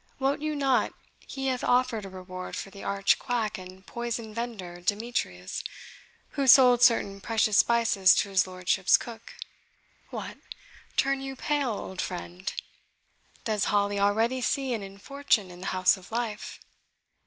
"Wot you not he hath offered a reward for the arch quack and poison vender, Demetrius, who sold certain precious spices to his lordship's cook? What! turn you pale, old friend? Does Hali already see an infortune in the House of Life?